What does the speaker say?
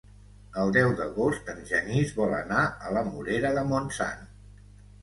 El deu d'agost en Genís vol anar a la Morera de Montsant.